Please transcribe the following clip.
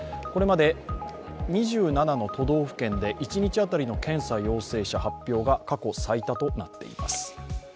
これまで２７の都道府県で一日当たりの検査陽性者発表が過去最多となっています。